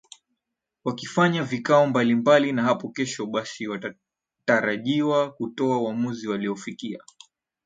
wakifanya vikao mbalimbali na hapo kesho basi watarajiwa kutoa uamuzi waliofikia